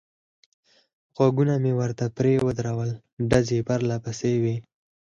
غوږونه مې ورته پرې ودرول، ډزې پرله پسې وې.